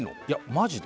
マジで？